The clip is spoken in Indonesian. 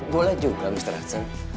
boleh juga mr hudson